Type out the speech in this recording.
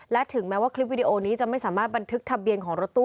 และถึงแม้ว่าคลิปวิดีโอนี้จะไม่สามารถบันทึกทะเบียนของรถตู้